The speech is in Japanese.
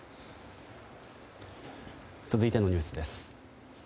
続いてのニュースです。